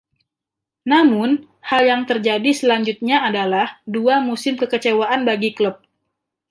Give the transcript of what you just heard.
Namun, hal yang terjadi selanjutnya adalah dua musim kekecewaan bagi klub.